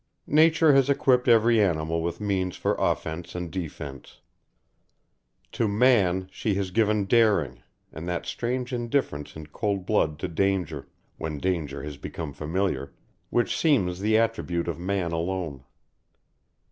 Nature has equipped every animal with means for offence and defence. To man she has given daring, and that strange indifference in cool blood to danger, when danger has become familiar, which seems the attribute of man alone.